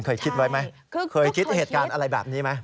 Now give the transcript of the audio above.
เคยคิดไว้ไหมเคยคิดเหตุการณ์อะไรแบบนี้ไหม